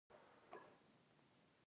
په ژوب کې باران اورېدلى دی